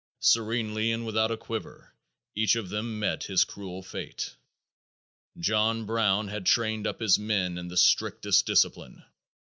Serenely and without a quiver each of them met his cruel fate. John Brown had trained up his men in the strictest discipline.